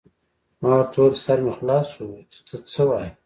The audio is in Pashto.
ما ورته وویل: سر مې خلاص شو، چې ته څه وایې.